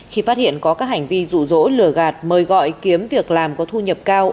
khi phát hiện có các hành vi rủ rỗ lửa gạt mời gọi kiếm việc làm có thu nhập cao